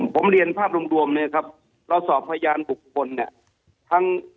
ผมเรียนภาพรวมเลยครับเราสอบพยาน๖คน